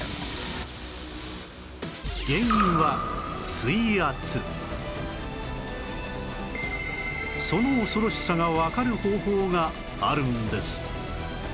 原因はその恐ろしさがわかる方法があるんです